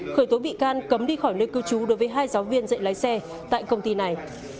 khởi tố bị can cấm đi khỏi nơi cư trú đối với hai giáo viên dạy lái xe tại công ty này